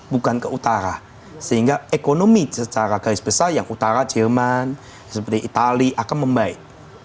bukan ke utara sehingga ekonomi secara garis besar yang utara jerman seperti itali akan membaik